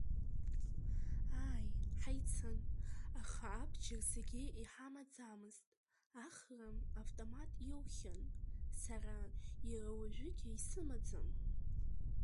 Ааи, ҳаицын, аха абџьар зегьы иҳамаӡамызт, Ахра автомат иоухьан, сара иара уажәыгьы исымаӡам.